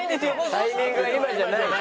タイミングは今じゃない。